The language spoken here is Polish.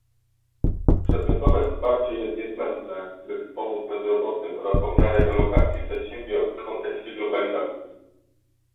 Przedmiotowe wsparcie jest niezbędne, by wspomóc bezrobotnych oraz ofiary relokacji przedsiębiorstw w kontekście globalizacji